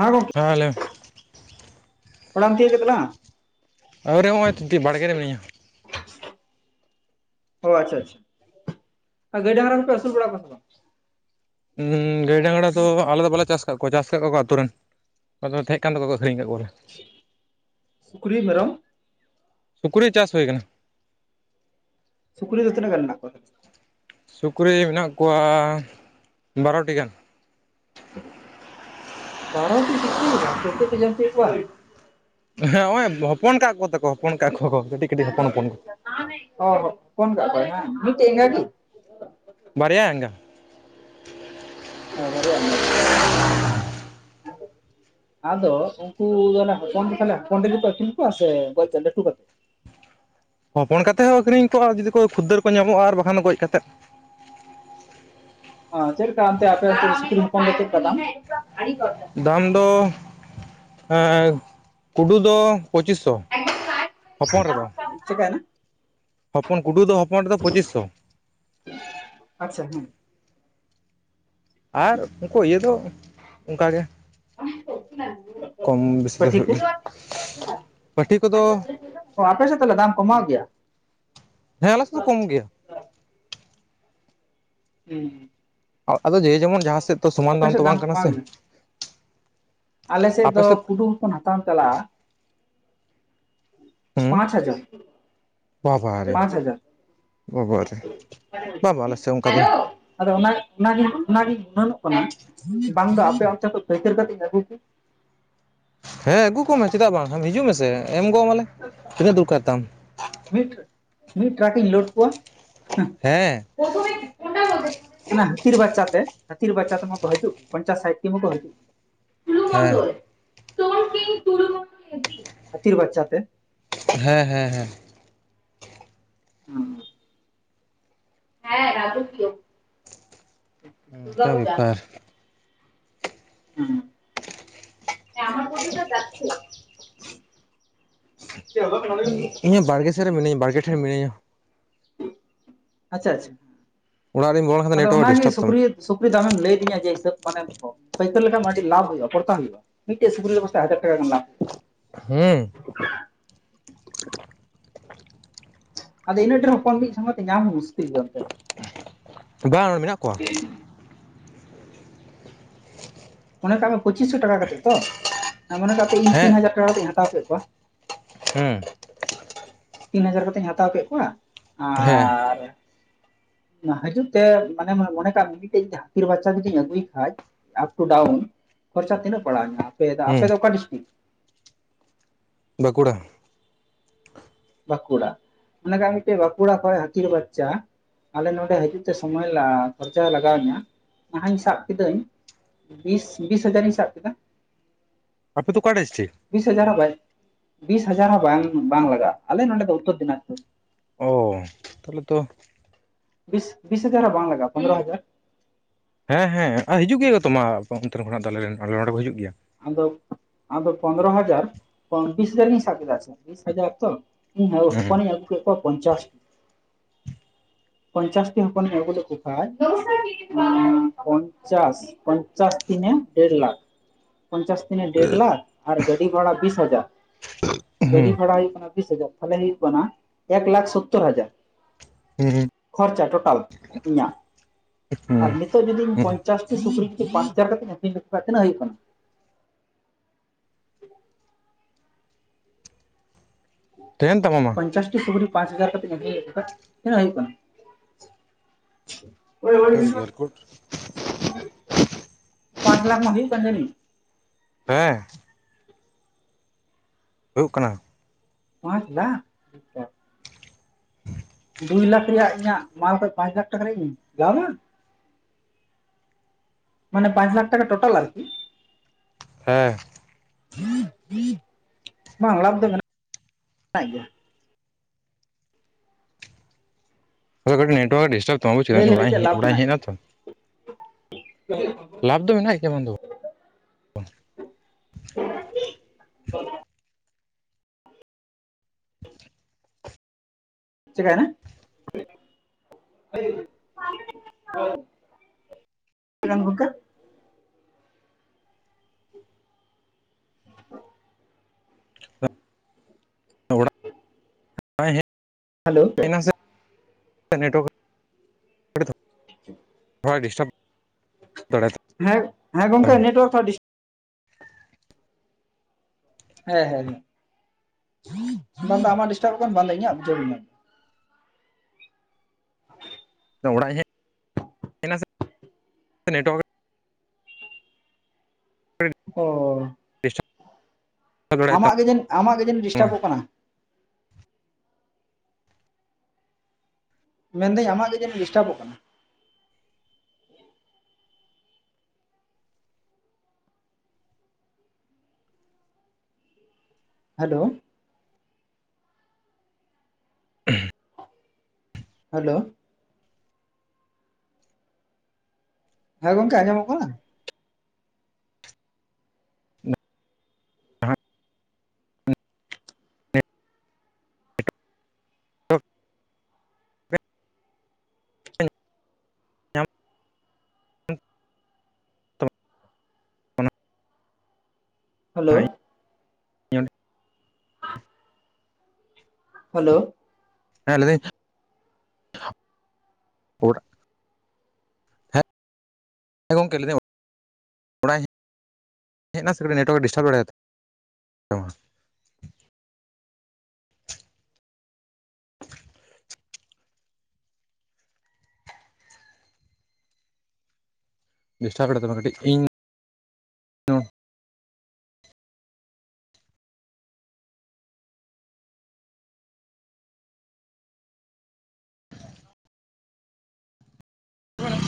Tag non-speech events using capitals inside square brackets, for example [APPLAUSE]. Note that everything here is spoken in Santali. ᱦᱟᱸ ᱜᱚᱝᱠᱮ ᱛᱟᱦᱚᱞᱮ ᱚᱲᱟᱜ ᱮᱢ ᱛᱤᱭᱚᱜ ᱠᱮᱜ ᱛᱟᱞᱟᱝᱟ? ᱟᱹᱣᱨᱤ ᱦᱚᱸᱜᱼᱚᱭ ᱛᱤᱱᱤᱴᱤ ᱵᱟᱲᱜᱮ ᱨᱮ ᱢᱤᱱᱟᱹᱧᱟ᱾ ᱚ ᱟᱪᱪᱷᱟ ᱟᱪᱪᱷᱟ, ᱟᱨ ᱜᱟᱹᱭ ᱰᱟᱝᱨᱟ ᱠᱚᱯᱮ ᱟᱹᱥᱩᱞ ᱵᱟᱲᱟ ᱠᱚᱭᱟ ᱥᱮ ᱵᱟᱝ? ᱦᱩᱸ ᱜᱟᱹᱭ ᱰᱟᱸᱝᱜᱽᱲᱟ ᱫᱚ ᱟᱞᱮ ᱫᱚ ᱵᱟᱞᱮ ᱪᱟᱥ ᱠᱟᱜ ᱠᱚᱣᱟ ᱪᱟᱥ ᱠᱟᱜ ᱠᱚᱣᱟ ᱠᱚ ᱟᱹᱛᱩ ᱨᱮᱱ᱾ ᱟᱫᱚ ᱛᱟᱦᱮᱸᱜ ᱠᱟᱱ ᱛᱟᱠᱚᱣᱟ ᱠᱚ ᱟᱠᱷᱨᱤᱧ ᱠᱟᱜ ᱠᱚᱣᱟᱞᱮ᱾ ᱥᱩᱠᱨᱤ ᱢᱮᱨᱚᱢ? ᱥᱩᱠᱨᱤ ᱪᱟᱥ ᱦᱩᱭ ᱠᱟᱱᱟ᱾ ᱥᱤᱠᱨᱤ ᱫᱚ ᱛᱤᱱᱟᱹᱜ ᱜᱟᱱ ᱢᱮᱱᱟᱜ ᱠᱚᱣᱟ? ᱥᱩᱠᱨᱤ ᱢᱮᱱᱟᱜ ᱠᱚᱣᱟ ᱵᱟᱨᱚᱴᱤ ᱜᱟᱱ᱾ ᱵᱟᱨᱚᱴᱤ ᱥᱩᱠᱨᱤ ᱵᱟᱯᱨᱮ ᱪᱮᱜ ᱯᱮ ᱡᱚᱢᱪᱚᱭᱮᱜ ᱠᱚᱣᱟ? ᱦᱮᱸ ᱦᱚᱸᱜᱼᱚᱭ ᱦᱚᱯᱚᱱ ᱠᱟᱜ ᱠᱚᱛᱟ ᱠᱚ ᱦᱚᱯᱚᱱ ᱠᱟᱜ ᱠᱚᱭᱟ ᱠᱚ ᱠᱟᱹᱴᱤᱜ ᱠᱟᱹᱴᱤᱜ ᱦᱚᱯᱚᱱ ᱦᱚᱯᱚᱱ ᱠᱚ᱾ ᱚ ᱦᱚ ᱦᱚᱯᱚᱱ ᱠᱟᱜ ᱠᱚᱭᱟᱭ ᱦᱟᱝ ᱢᱤᱜᱴᱮᱜ ᱤᱧᱜᱟ ᱜᱮ? ᱵᱟᱨᱭᱟ ᱮᱧᱜᱟ᱾ ᱚ ᱵᱟᱨᱭᱟ ᱤᱧᱜᱟ ᱵᱟᱝ, ᱟᱫᱚ ᱟᱫᱚ ᱩᱱᱠᱩ ᱫᱚᱞᱮ ᱦᱚᱯᱚᱱ [UNINTELLIGIBLE] ᱦᱚᱯᱚᱱ ᱜᱮ [UNINTELLIGIBLE] ᱟᱹᱷᱨᱤᱧ ᱠᱚᱣᱟ ᱥᱮ ᱜᱚᱡ ᱠᱟᱛᱮᱜ ᱞᱟᱹᱴᱩ ᱠᱟᱛᱮᱜ? ᱦᱚᱯᱚᱱ ᱠᱟᱛᱮᱜ ᱦᱚᱸ ᱟᱹᱠᱷᱨᱤᱧ ᱠᱚᱜᱼᱟ ᱡᱩᱫᱤ ᱠᱚ ᱠᱷᱩᱫᱟᱹᱨ ᱠᱚ ᱧᱟᱢᱚᱜᱼᱟ ᱟᱨ ᱵᱟᱠᱷᱟᱱ ᱫᱚ ᱜᱚᱡ ᱠᱟᱛᱮᱜ᱾ ᱦᱚᱸ ᱪᱮᱜ ᱞᱮᱠᱟ ᱚᱱᱛᱮ ᱟᱯᱮ ᱚᱱᱛᱮ ᱥᱩᱠᱨᱤ ᱦᱚᱯᱚᱱ ᱫᱚ ᱪᱮᱜᱠᱟ ᱫᱟᱢ? ᱫᱟᱢ ᱫᱚ ᱮᱸ ᱠᱩᱰᱩ ᱫᱚ ᱯᱚᱸᱪᱤᱥ ᱪᱮᱠᱟᱭᱱᱟ, ᱦᱚᱯᱚᱱ ᱠᱩᱰᱩ ᱫᱚ ᱦᱚᱯᱚᱱ ᱨᱮᱫᱚ ᱯᱚᱸᱪᱤᱥ ᱥᱚ᱾ ᱟᱪᱪᱷᱟ ᱦᱩᱸ, ᱟᱨ ᱩᱝᱠᱩ ᱤᱭᱟᱹ ᱫᱚ ᱚᱝᱠᱟᱜᱮ ᱾ ᱠᱚᱢ ᱵᱮᱥᱤ ᱫᱚ ᱯᱟᱹᱴᱷᱤ ᱦᱩᱭᱩᱜ ᱠᱚ ᱚ ᱜᱮᱭᱟ [INAUDIBLE] ᱯᱟᱹᱴᱷᱤ ᱠᱚᱫᱚ ᱾ ᱚ ᱟᱯᱮᱥᱮᱫ ᱛᱟᱞᱮ ᱫᱟᱢ ᱠᱚᱢᱟᱣ ᱜᱮᱭᱟ? ᱦᱮᱸ ᱟᱞ ᱥᱮᱫ ᱫᱚ ᱠᱚᱢ ᱜᱮᱭᱟ ᱾ [INAUDIBLE] ᱟᱫᱚ ᱡᱮ ᱡᱮᱢᱚᱱ ᱡᱟᱦᱟᱸ ᱥᱮᱫ ᱛᱚ ᱥᱚᱢᱟᱱ ᱟᱯᱮ ᱫᱟᱢ ᱥᱮᱫ ᱛᱚ ᱵᱟᱝ ᱠᱟᱱᱟ ᱠᱚᱢᱟᱣ ᱥᱮ? ᱜᱮᱭᱟ ᱟᱞᱮ ᱥᱮᱫ ᱫᱚ ᱯᱩᱰᱩ ᱦᱚᱯᱚᱱ ᱦᱟᱛᱟᱢ ᱪᱟᱞᱟᱜᱼᱟ ᱾ ᱦᱩᱸ ᱯᱟᱸᱪ ᱦᱟᱡᱟᱨ ᱾ ᱵᱟᱵᱟᱨᱮ ᱯᱟᱸᱪ ᱦᱟᱡᱟᱨ ᱵᱟᱵᱟᱨᱮ ᱵᱟᱝ ᱟᱞᱮ ᱥᱮᱫ [INAUDIBLE] ᱚᱱᱠᱟ ᱫᱚ ᱦᱮᱞᱳ ᱟᱫᱚ ᱚᱱᱟᱜᱮ ᱚᱱᱟᱜᱤᱧ ᱚᱱᱟᱞᱤᱧ ᱜᱩᱱᱟᱹᱱᱚᱜ ᱠᱟᱱᱟ ᱵᱟᱝ ᱫᱚ ᱟᱯᱮ ᱚᱱᱛᱮ ᱠᱚᱡ ᱯᱟᱹᱭᱛᱟᱹᱨ ᱠᱟᱛᱮᱧ ᱟᱹᱜᱩ ᱠᱮ ᱾ ᱦᱮᱸ ᱟᱹᱜᱩ ᱠᱚᱢᱮ ᱪᱮᱫᱟᱜ ᱵᱟᱝ ᱟᱢ ᱦᱤᱡᱩᱜ ᱢᱮᱥᱮ ᱮᱢ ᱜᱚᱜ ᱟᱢᱟᱞᱮ ᱛᱤᱱᱟᱹᱜ ᱫᱚᱨᱠᱟᱨ ᱛᱟᱢ? [INAUDIBLE] ᱢᱤᱫ ᱴᱨᱟᱠ ᱤᱧ ᱞᱳᱰ ᱠᱚᱣᱟ [INAUDIBLE] ᱦᱮᱸ᱾ [UNINTELLIGIBLE] [INAUDIBLE] ᱦᱟᱹᱛᱤᱨ ᱵᱟᱨᱪᱟᱛᱮ ᱦᱟᱹᱛᱤᱨ ᱵᱟᱪᱟ ᱛᱮᱢᱟᱠᱚ ᱦᱟᱡᱩᱜ ᱯᱚᱧᱪᱟᱥ ᱥᱟᱴᱴᱤ ᱦᱚᱸ ᱠᱚ ᱦᱟᱡᱩᱜ ᱦᱮᱸ ᱾ [UNINTELLIGIBLE] ᱦᱟᱹᱛᱤᱨ ᱵᱟᱪᱟ ᱛᱮ ᱾ ᱦᱮᱸ ᱦᱮᱸ ᱦᱮᱸ ᱾ ᱦᱩᱸ ᱦᱮᱸ ᱨᱚᱡᱚ ᱠᱤᱭᱳ ᱾ ᱩᱝᱠᱟ ᱵᱤᱯᱟᱨ ᱾ [UNINTELLIGIBLE] [UNINTELLIGIBLE] ᱤᱧ ᱦᱚᱸ ᱵᱟᱲᱜᱮ ᱥᱮᱜ ᱨᱮ ᱢᱤᱱᱟᱹᱧᱟ ᱵᱟᱲᱜᱮ ᱴᱷᱮᱱ ᱢᱤᱱᱟᱹᱧᱟ ᱾ ᱟᱪᱪᱷᱟ ᱟᱪᱷᱤᱢ ᱾ ᱚᱲᱟᱜ ᱨᱤᱧ ᱵᱚᱞᱚ ᱞᱮᱱ ᱠᱷᱟᱱ ᱱᱮᱴᱣᱟᱨᱠ ᱰᱤᱥᱴᱟᱵᱽ ᱛᱟᱢᱟ ᱾ ᱥᱩᱯᱤ ᱫᱟ ᱟᱢᱮᱢ ᱞᱟᱹᱭ ᱫᱤᱧᱟ ᱡᱮ ᱦᱤᱥᱟᱹᱵᱽ ᱢᱟᱱᱮ ᱯᱟᱹᱭᱠᱟᱹᱨ ᱞᱮᱠᱟᱢ ᱟᱹᱰᱤ ᱞᱟᱵᱽ ᱦᱩᱭᱩᱜᱼᱟ ᱛᱚᱲᱛᱟ ᱦᱩᱭᱩᱜᱼᱟ ᱾ ᱢᱤᱫᱴᱟᱨ ᱥᱩᱠᱨᱤ ᱵᱚᱥᱛᱟ ᱦᱟᱡᱟᱨ ᱴᱟᱠᱟ ᱜᱟᱱ ᱞᱟᱵᱽ ᱾ ᱦᱩᱸ᱾ ᱟᱫᱚ ᱤᱱᱟᱹᱜ ᱰᱷᱮᱨ ᱦᱚᱯᱚᱱ ᱢᱤᱫ ᱥᱚᱸᱜᱮᱛᱮ ᱧᱟᱢ ᱦᱚᱸ ᱢᱩᱥᱠᱤᱞ ᱜᱮᱭᱟ ᱚᱱᱛᱮ ᱾ ᱵᱟᱝ ᱢᱮᱱᱟᱜ ᱠᱚᱣᱟ ᱾ [INAUDIBLE] ᱢᱚᱱᱮ ᱠᱟᱜ ᱢᱮ ᱯᱚᱪᱤᱥ ᱥᱚ ᱴᱟᱠᱟ ᱠᱟᱛᱮᱫ ᱛᱚ ᱢᱚᱱᱮ ᱠᱟᱜ ᱯᱮ ᱤᱧ ᱦᱮᱸ ᱛᱤᱱ ᱦᱟᱡᱟᱨ ᱴᱟᱠᱟ ᱠᱟᱛᱮ ᱤᱧ ᱦᱟᱛᱟᱣ ᱠᱮᱫ ᱠᱚᱣᱟ ᱾ ᱦᱩᱸ ᱛᱤᱱ ᱦᱟᱡᱟᱨ ᱠᱟᱛᱤᱧ ᱦᱟᱛᱟᱣ ᱠᱮᱜ ᱠᱚᱣᱟ ᱦᱮᱸ ᱟᱨ ᱚᱱᱟ ᱦᱟᱡᱩᱜ ᱛᱮ ᱢᱟᱱᱮ ᱢᱚᱱᱮ ᱠᱟᱜ ᱢᱮ ᱢᱤᱫᱴᱮᱱ ᱡᱩᱫᱤ ᱦᱟᱛᱤᱨ ᱵᱟᱪᱪᱟ ᱡᱩᱫᱤᱧ ᱟᱹᱜᱩᱭ ᱠᱷᱟᱡ ᱟᱯ ᱴᱩ ᱰᱟᱣᱩᱱ ᱠᱷᱚᱨᱪᱟ ᱛᱤᱱᱟᱹᱜ ᱯᱟᱲᱟᱣ ᱱᱟ ᱟᱯᱮ ᱫᱚ ᱦᱩᱸ ᱟᱯᱮ ᱫᱚ ᱚᱠᱟ ᱰᱤᱥᱴᱤᱠ? ᱵᱟᱸᱠᱩᱲᱟ ᱾ ᱵᱟᱸᱠᱩᱲᱟ ᱢᱚᱱᱮ ᱠᱟᱜ ᱢᱮ ᱢᱤᱫᱴᱮᱱ ᱵᱟᱸᱠᱩᱲᱟ ᱠᱷᱚᱡ ᱦᱟᱛᱤᱨ ᱵᱟᱪᱪᱷᱟ ᱾ ᱟᱞᱮ ᱱᱚᱰᱮ ᱦᱟᱡᱩᱜ ᱛᱮ ᱥᱚᱢᱚᱭ ᱞᱟ ᱠᱷᱚᱨᱪᱟ ᱞᱟᱜᱟᱣᱤᱧᱟᱹ ᱱᱟᱦᱟᱧ ᱥᱟᱵ ᱠᱤᱫᱟᱹᱧ ᱵᱤᱥ ᱵᱤᱥ ᱦᱟᱡᱟᱨ ᱤᱧ ᱥᱟᱵ ᱠᱮᱫᱟ ᱾ ᱟᱯᱮ ᱫᱚ ᱚᱠᱟ ᱰᱤᱥᱴᱤᱠ? ᱵᱤᱥ ᱦᱟᱡᱟᱨ ᱦᱚᱸ ᱵᱟᱭ ᱵᱤᱥ ᱦᱟᱡᱟᱨ ᱦᱚᱸ ᱵᱟᱝ ᱵᱟᱝ ᱞᱟᱜᱟᱜᱼᱟ ᱟᱞᱮ ᱱᱚᱸᱰᱮ ᱫᱚ ᱩᱛᱛᱚᱨ ᱫᱤᱱᱟᱡᱽᱯᱩᱨ ᱾ ᱚ ᱛᱟᱞᱮ ᱛᱚ ᱾ ᱵᱤᱥ ᱵᱤᱥ ᱦᱟᱡᱟᱨ ᱦᱚᱸ ᱵᱟᱝ ᱞᱟᱜᱟᱜᱼᱟ ᱯᱚᱱᱨᱚ ᱦᱟᱡᱟᱨ ᱾ ᱦᱮᱸ ᱦᱮᱸ ᱟ ᱦᱤᱡᱩᱜ ᱜᱮᱭᱟ ᱠᱚᱛᱚ ᱢᱟ ᱟᱯᱮ ᱚᱱᱛᱮ ᱦᱚᱱᱟᱜ ᱫᱚ ᱟᱞᱮ ᱨᱮᱱ ᱟᱞᱮ ᱱᱚᱰᱮ ᱠᱚ ᱦᱤᱡᱩᱜ ᱜᱮᱭᱟ ᱾ ᱟᱫᱚ ᱟᱫᱚ ᱯᱚᱱᱨᱚ ᱦᱟᱡᱟᱨ ᱠᱚᱢᱯᱤᱥᱤᱭᱟᱞᱤᱧ ᱦᱟᱡᱟᱨ ᱜᱤᱧ ᱥᱟᱵ ᱠᱮᱫᱟ ᱥᱮ ᱵᱤᱥ ᱦᱟᱡᱟᱨ ᱛᱚ ᱤᱧ ᱦᱩᱸ ᱦᱚᱯᱚᱱᱤᱧ ᱟᱹᱜᱩ ᱠᱮᱫ ᱠᱚᱣᱟ ᱯᱚᱧᱪᱟᱥ ᱯᱚᱧᱪᱟᱥᱴᱤ ᱦᱚᱯᱚᱱᱤᱧ ᱟᱹᱜᱩ ᱞᱮᱠᱚᱠᱷᱟᱱ [INAUDIBLE] ᱯᱚᱧᱪᱟᱥ ᱯᱚᱧᱪᱟᱥ ᱛᱤᱱᱮ ᱰᱮᱲ ᱞᱟᱠᱷ᱾ ᱯᱚᱧᱪᱟᱥ ᱛᱤᱱᱮ ᱰᱮᱲ ᱞᱟᱠᱷ ᱟᱨ ᱜᱟᱹᱰᱤ ᱵᱷᱟᱲᱟ ᱵᱤᱥ ᱦᱟᱡᱟᱨ᱾ ᱜᱟᱹᱰᱤ ᱦᱩᱸ ᱵᱷᱟᱲᱟ ᱦᱩᱭᱩᱜ ᱠᱟᱱᱟ ᱵᱤᱥ ᱦᱟᱡᱟᱨ ᱛᱟᱦᱚᱞᱮ ᱦᱩᱭᱩᱜ ᱠᱟᱱᱟ ᱮᱠ ᱞᱟᱠᱷ ᱥᱳᱛᱛᱳᱨ ᱦᱟᱡᱟᱨ᱾ ᱦᱩᱸ ᱠᱷᱚᱨᱪᱟ ᱴᱳᱴᱟᱞ ᱤᱧᱟᱜ ᱦᱩᱸ ᱟᱨᱢᱤᱫ ᱱᱤᱛᱚᱜ ᱡᱩᱫᱤ ᱦᱩᱸ ᱯᱚᱧᱪᱟᱥᱴᱤ ᱥᱩᱠᱨᱤ ᱯᱟᱸᱪ ᱦᱟᱡᱟᱨ ᱠᱟᱛᱤᱧ ᱟᱹᱠᱷᱨᱤᱧ ᱞᱮᱠᱷᱟᱱ ᱛᱤᱱᱟᱹᱜ ᱦᱩᱭᱩᱜ ᱠᱟᱱᱟ? [UNINTELLIGIBLE] ᱛᱟᱦᱮᱱ ᱛᱟᱢᱟ ᱟᱢᱟᱜ ᱯᱚᱧᱪᱟᱥᱴᱤ ᱥᱩᱠᱨᱤ ᱯᱟᱸᱪ ᱦᱟᱡᱟᱨ ᱠᱟᱛᱤᱧ ᱟᱹᱠᱷᱨᱤᱧ ᱴᱳᱴᱟᱞ ᱛᱤᱱᱟᱹᱜ ᱦᱩᱭᱩᱜ ᱠᱟᱱᱟ? ᱫᱟᱹᱲ ᱜᱮᱞ ᱠᱩᱴ [INAUDIBLE] ᱯᱟᱸᱪ ᱞᱟᱠᱷ ᱢᱟ ᱦᱩᱭᱩᱜ ᱠᱟᱱ ᱛᱟᱞᱤᱧ᱾ ᱦᱮᱸ᱾ ᱦᱩᱭᱩᱜ ᱠᱟᱱᱟ᱾ ᱯᱚᱸᱪ ᱞᱟᱠᱷ [INAUDIBLE] ᱫᱩᱭ ᱞᱟᱠᱷ ᱨᱮᱭᱟᱜ ᱤᱧᱟᱹᱜ ᱢᱟᱞ ᱠᱷᱚᱡ ᱯᱟᱸᱪ ᱞᱟᱠᱷ ᱴᱟᱠᱟ ᱨᱮᱭᱟᱜ ᱤᱧ ᱤᱱᱠᱟᱢᱟ? ᱢᱟᱱᱮ ᱯᱟᱸᱪ ᱞᱟᱠᱷ ᱴᱟᱠᱟ ᱴᱳᱴᱟᱞ ᱟᱨ ᱠᱤ᱾ ᱦᱮᱸ᱾ ᱵᱟᱝ ᱚᱲᱟᱜ ᱨᱮ ᱫᱚ ᱢᱮᱱᱟᱜ ᱢᱮᱱᱟᱜ ᱜᱮᱭᱟ᱾ ᱟᱫᱚ ᱠᱟᱹᱴᱤᱡ ᱱᱮᱴᱣᱟᱨᱠ ᱰᱤᱥᱴᱟᱵ ᱛᱟᱢᱟ ᱵᱩᱪ ᱠᱮᱫᱟᱢ᱾ ᱞᱟᱹᱭ ᱤᱧ ᱞᱮᱠᱷᱟᱡ ᱚᱲᱟᱜ ᱪᱮᱫ ᱞᱟᱵᱷ ᱚᱲᱟᱜ ᱤᱧ ᱢᱮᱱᱟᱜ ᱦᱮᱡ ᱱᱟ ᱜᱮᱭᱟ ᱛᱚ [INAUDIBLE] ᱞᱟᱵᱷ ᱫᱚ ᱢᱮᱱᱟᱜ ᱜᱮᱭᱟ ᱵᱟᱝ ᱫᱚ ᱵᱟᱝ [INAUDIBLE] ᱪᱮᱠᱟᱭᱮᱱᱟ? ᱛᱤᱱᱟᱝ ᱜᱚᱝᱠᱮ? ᱚᱲᱟᱜ ᱤᱧ ᱦᱮᱞᱳ ᱦᱮᱡ ᱱᱟ ᱥᱮ ᱱᱮᱸᱴᱣᱟᱨᱠ [UNINTELLIGIBLE] ᱰᱤᱥᱴᱟ ᱫᱟ ᱦᱮᱸ ᱦᱮᱸ ᱜᱚᱝᱠᱮ ᱛᱟᱢᱟ ᱱᱮᱴ ᱚᱣᱟᱨᱠ ᱦᱚᱸ ᱰᱤᱥ ᱦᱮᱸ ᱦᱮᱸ ᱵᱟᱝ ᱫᱚ ᱟᱢᱟᱜ ᱰᱤᱥᱴᱟᱵ ᱠᱟᱱ ᱵᱟᱝ ᱫᱚ ᱤᱧᱟᱹᱜ ᱵᱩᱸᱡᱷᱟᱹᱣ ᱵᱟᱹᱧ ᱧᱟᱢ ᱫᱟ᱾ ᱚᱲᱟᱜ ᱤᱧ ᱦᱮᱡ ᱱᱟ ᱥᱮ ᱱᱮᱴ ᱚᱣᱟᱨᱠ ᱚᱻ ᱰᱤᱥᱴᱟᱨᱵ ᱟᱢᱟᱜ ᱜᱮ ᱡᱟᱹᱱᱤᱡ ᱟᱢᱟᱜ ᱜᱮ ᱡᱟᱹᱱᱤᱡ ᱰᱤᱥᱴᱟᱵ ᱛᱟᱢᱟᱭ ᱚᱜ ᱠᱟᱱᱟ᱾ ᱢᱮᱱ ᱫᱟᱹᱧ ᱟᱢᱟᱜ ᱜᱮ ᱡᱟᱸᱱᱤᱡ ᱰᱤᱥᱴᱟᱵ ᱚᱜ ᱠᱟᱱᱟ᱾ ᱦᱮᱞᱳ [UNINTELLIGIBLE] ᱦᱮᱞᱳ ᱦᱮᱸ ᱜᱚᱝᱠᱮ ᱟᱸᱡᱚᱢᱚᱜ ᱠᱟᱱᱟ? [UNINTELLIGIBLE] ᱦᱮᱞᱳ [UNINTELLIGIBLE] ᱦᱮᱞᱳ ᱦᱮᱸ ᱞᱟᱹᱭ ᱫᱟᱹᱧ [UNINTELLIGIBLE] ᱦᱮᱸ ᱜᱚᱝᱠᱮ ᱞᱟᱹᱭ ᱫᱟᱹᱧ ᱚᱲᱟᱜ ᱤᱧ ᱦᱮᱡ ᱱᱟ ᱥᱮ ᱠᱟᱹᱴᱤᱡ ᱱᱮᱴ ᱚᱣᱟᱨᱠ ᱰᱤᱥᱴᱟᱵ [UNINTELLIGIBLE] ᱵᱤᱥᱴᱟᱵ ᱫᱟᱲᱮᱟᱛᱟᱢᱟ ᱠᱟᱹᱴᱤᱡ ᱤᱧ